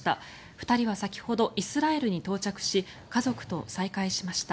２人は先ほどイスラエルに到着し家族と再会しました。